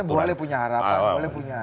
boleh punya harapan